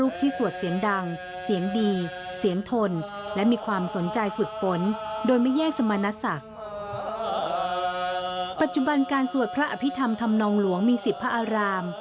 ปัจจุบันการสวดพระอภิษฐรรมธรรมนองหลวงมี๑๐พระอาราม